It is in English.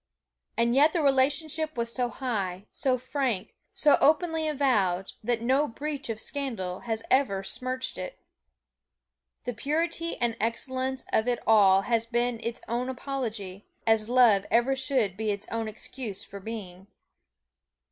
And yet the relationship was so high, so frank, so openly avowed, that no breath of scandal has ever smirched it. The purity and excellence of it all has been its own apology, as love ever should be its own excuse for being.